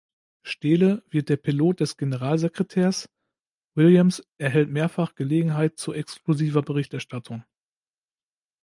Steele wird der Pilot des Generalsekretärs, Williams erhält mehrfach Gelegenheit zu exklusiver Berichterstattung.